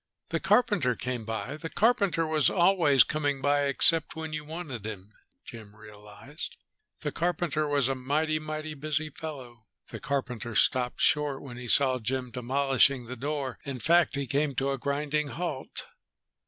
The carpenter came by. The carpenter was always coming by, except when you wanted him, Jim realized. The carpenter was a mighty, mighty busy fellow. The carpenter stopped short when he saw Jim demolishing the door. In fact he came to a grinding halt.